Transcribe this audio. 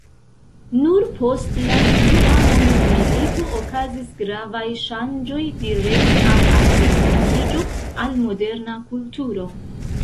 Nur post la dua mondmilito okazis gravaj ŝanĝoj direkte al alproksimiĝo al moderna kulturo.